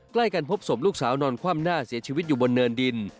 ใกล้กันพบศพลูกสาวนอนคว่ำหน้าเสียชีวิตอยู่บนเนินดิน